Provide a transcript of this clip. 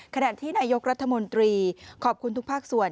ขณะที่นายกรัฐมนตรีขอบคุณทุกภาคส่วน